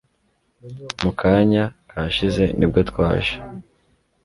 Mu kanya kashize ni bwo twaje